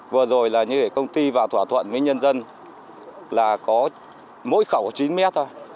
vừa rồi là những công ty vào thỏa thuận với nhân dân là có mỗi khẩu chín mét thôi